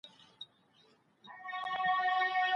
که ئې په طلاق سره قسم اخيستی وو.